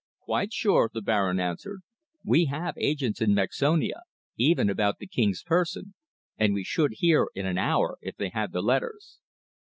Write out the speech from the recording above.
"Quite sure," the Baron answered. "We have agents in Mexonia, even about the King's person, and we should hear in an hour if they had the letters."